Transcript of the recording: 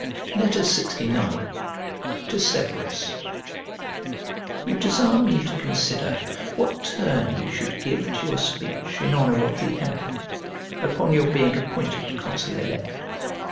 LXIX To SEVERUS You desire me to consider what turn you should give to your speech in honour of the emperor, upon your being appointed consul elect.